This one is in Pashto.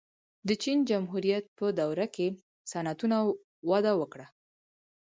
د چین جمهوریت په دوره کې صنعتونه وده وکړه.